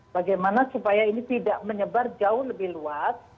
bagaimana supaya ini tidak menyebar jauh lebih luas